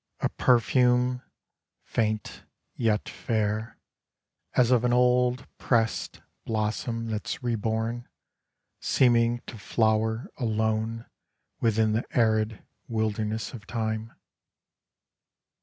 A perfume, faint yet fair As of an old press'd blossom that 's reborn Seeming to flower alone within the arid wilderness of Time.